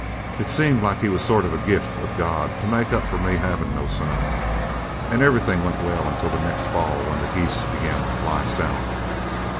It seemed like he was sort of a gift of God to make up for me havin' no son. And everythin' went well until the next fall, when the geese began to fly south.